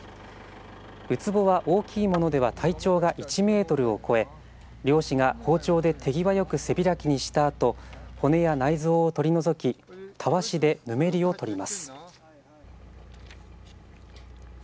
ウツボは大きいものでは体長が１メートルを超え漁師が包丁で手際よく背開きにしたあと骨や内臓を取り除きたわしで、ぬめりを取ります。